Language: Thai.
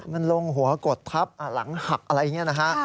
มันลงหัวกดทับหลังหักอะไรอย่างนี้นะฮะ